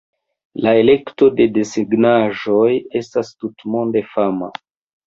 La kolekto de desegnaĵoj estas tutmonde fama.